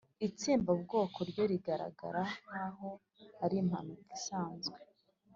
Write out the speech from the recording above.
itsembabwoko ryo rigaragara nkaho ari impanuka isanzwe